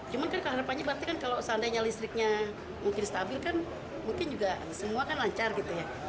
cuman kan kerapannya kalau listriknya mungkin stabil kan mungkin juga semua kan lancar ya